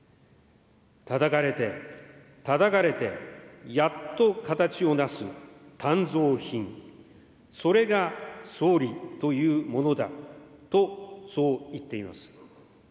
たたかれて、たたかれて、やっと形をなす鍛造品、それが総理というものだと、そう言っています。